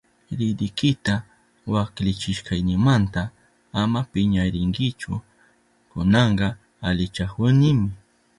Ridikita waklichishkaynimanta ama piñarinkichu, kunanka alichahunimi.